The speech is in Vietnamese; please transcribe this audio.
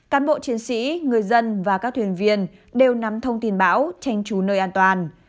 cán bộ chiến sĩ người dân và các thuyền viên đều nắm thông tin bão tranh trù nơi an toàn